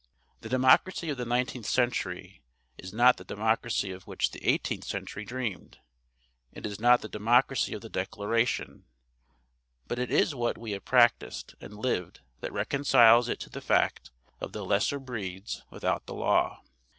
The democracy of the nineteenth century is not the democracy of which the eighteenth century dreamed. It is not the democracy of the Declaration, but it is what we have practised and lived that reconciles it to the fact of the "lesser breeds without the Law."